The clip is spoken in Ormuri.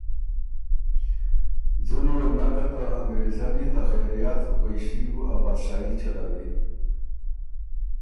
ځُونی وه بو نک که ته انګرېزنی ته خېریات په پئݭي بُو ا بادشايي چلوی